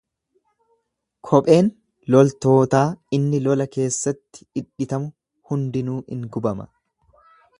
Kopheen loltootaa inni lola keessatti dhidhitamu hundinuu in gubama.